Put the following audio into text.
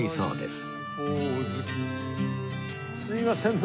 すいません